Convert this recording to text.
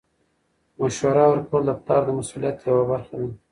مشوره ورکول د پلار د مسؤلیت یوه برخه ده.